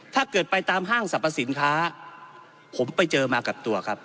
ถ้าเกิดไปตามห้างสรรพสินค้าผมไปเจอมากับตัวครับ